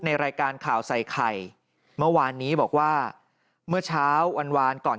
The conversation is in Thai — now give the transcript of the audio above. ในรายการข่าวใส่ไข่เมื่อวานนี้บอกว่าเมื่อเช้าวันวานก่อน